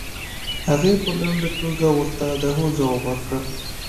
هغې په لنډه توګه ورته د هو ځواب ورکړ.